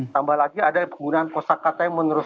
tambah lagi ada penggunaan kosa kata yang menerus